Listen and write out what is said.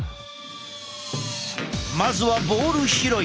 まずはボール拾い。